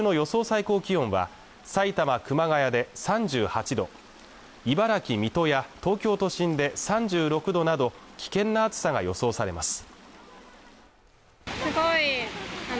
最高気温は埼玉熊谷で３８度茨城水戸や東京都心で３６度など危険な暑さが予想されます